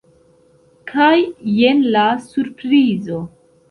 Kaj jen la surprizo!